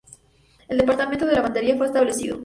El "departamento de lavandería" fue establecido.